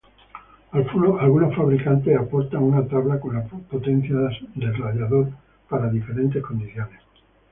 Algunos fabricantes aportan una tabla con las potencias del radiador para diferentes condiciones.